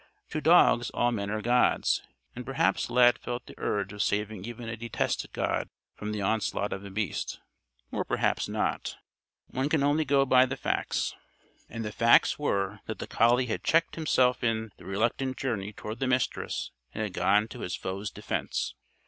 To dogs all men are gods. And perhaps Lad felt the urge of saving even a detested god from the onslaught of a beast. Or perhaps not. One can go only by the facts. And the facts were that the collie had checked himself in the reluctant journey toward the Mistress and had gone to his foe's defense.